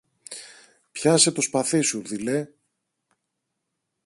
Πιάσε το σπαθί σου, δειλέ!